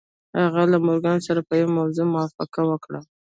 هغه له مورګان سره په یوه موضوع موافقه وکړه